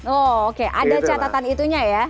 oh oke ada catatan itunya ya